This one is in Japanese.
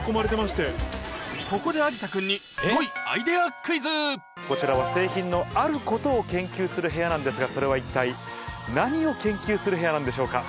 ここで有田君にこちらは製品のあることを研究する部屋なんですがそれは一体何を研究する部屋なんでしょうか？